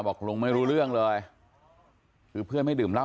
บอกลุงไม่รู้เรื่องเลยคือเพื่อนไม่ดื่มเหล้า